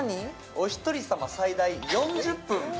「おひとり様最大４０分」